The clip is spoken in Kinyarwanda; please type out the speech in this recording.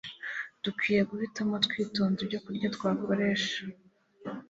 dukwiriye guhitamo twitonze ibyokurya twakoresha